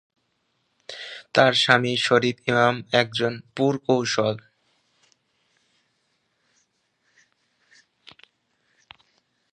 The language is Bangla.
তার স্বামী শরীফ ইমাম একজন পুরকৌশল।